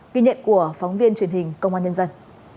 ghi nhận của phóng viên truyền hình công an nhân dân